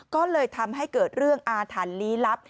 ก็เลยทำให้เกิดเรื่องอาถรรพ์ลี้ลับ